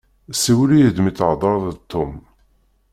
Siwel-iyi-d mi thedreḍ d Tom.